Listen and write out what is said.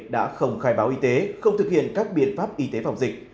đã không khai báo y tế không thực hiện các biện pháp y tế phòng dịch